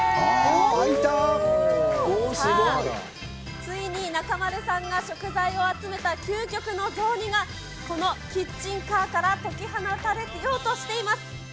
ついに中丸さんが食材を集めた究極の雑煮が、このキッチンカーから解き放たれようとしています。